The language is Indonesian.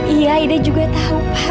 iya ida juga tahu pak